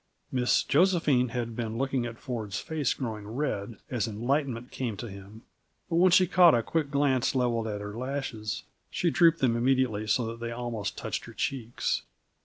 Miss Josephine had been looking at Ford's face going red, as enlightenment came to him, but when she caught a quick glance leveled at her lashes, she drooped them immediately so that they almost touched her cheeks.